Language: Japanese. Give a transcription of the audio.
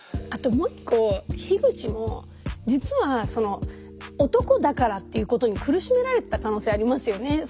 あともう１個樋口も実はその男だからっていうことに苦しめられてた可能性ありますよね。